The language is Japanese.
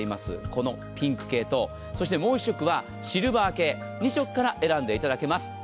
このピンク系ともう１色はシルバー系２色から選んでいただけます。